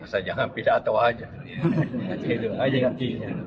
masa jangan pindah atau wajib